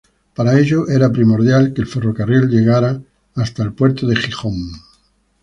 Para ello era primordial que el ferrocarril llegara hasta el puerto de Gijón.